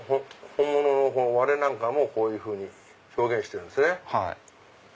本物の割れもこういうふうに表現してるんですね。